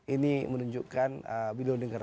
ini menunjukkan bilion dengeran